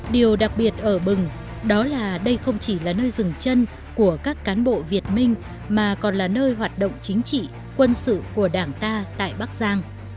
điều đặc biệt ở bừng đó là đây không chỉ là nơi dừng chân của các cán bộ việt minh mà còn là nơi hoạt động chính trị quân sự của đảng ta tại bắc giang